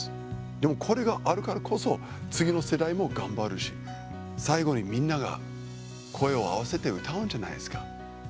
でも、これがあるからこそ次の世代も頑張るし最後に、みんなが声を合わせて歌うんじゃないですか。